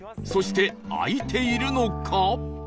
そして開いているのか？